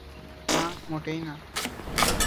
না, মোটেই না।